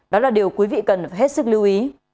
đó là điều quý vị cần phải hết sức lưu ý